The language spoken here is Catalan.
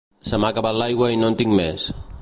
Se m'ha acabat l'aigua i no en tinc més